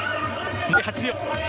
残り８秒。